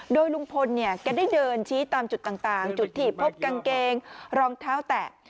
โดยลุงพลเนี่ยแกได้เดินชี้ตามจุดต่างจุดที่พบกางเกงรองเท้าแตะ